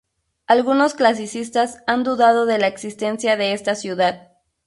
Algunos clasicistas han dudado de la existencia de esta ciudad.